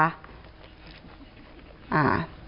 อ่า